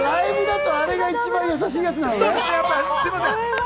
ライブだとあれが一番やさしいやつなのね。